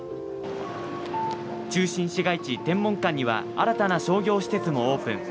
中心市街地・天文館には新たな商業施設もオープン。